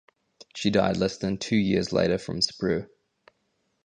She died less than two years later from sprue.